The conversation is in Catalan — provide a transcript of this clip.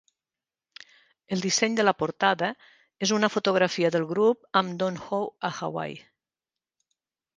El disseny de la portada és una fotografia del grup amb Don Ho a Hawaii.